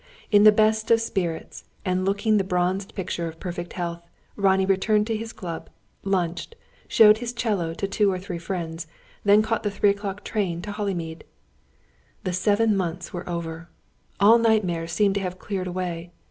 In the best of spirits, and looking the bronzed picture of perfect health, Ronnie returned to his club, lunched, showed his 'cello to two or three friends, then caught the three o'clock train to Hollymead. The seven months were over. All nightmares seemed to have cleared away.